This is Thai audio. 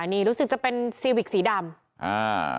อันนี้รู้สึกจะเป็นเซีวิกสีดำ